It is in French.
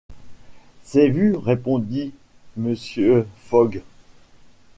C’est vu, répondit Mr. Fogg.